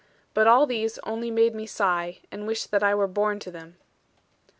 But all these only made me sigh, and wish that I were born to them.